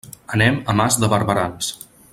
Anem a Mas de Barberans.